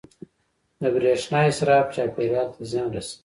• د برېښنا اسراف چاپېریال ته زیان رسوي.